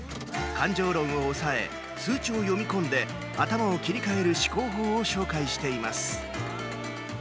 感情論を抑え、数値を読み込んで頭を切り替える思考法を紹介しています。